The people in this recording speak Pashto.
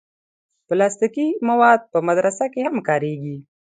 پلاستيکي مواد په مدرسه کې هم کارېږي.